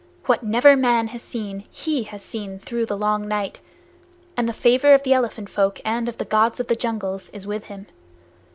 What never man has seen he has seen through the long night, and the favor of the elephant folk and of the Gods of the Jungles is with him.